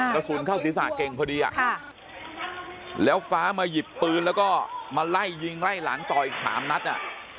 กระสุนเข้าศีรษะเก่งพอดีแล้วฟ้ามาหยิบปืนแล้วก็มาไล่ยิงไล่หลังต่ออีกสามนัดอ่ะ